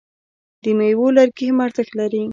د میوو لرګي هم ارزښت لري.